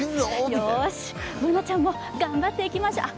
よーし、Ｂｏｏｎａちゃんも頑張っていきましょう！